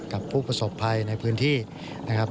กับผู้ประสบภัยในพื้นที่นะครับ